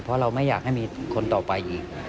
เพราะเราไม่อยากให้มีคนต่อไปอีก